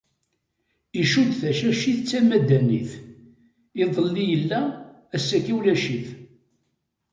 Icudd tacacit d tamadanit, iḍelli yella ass-agi ulac-it.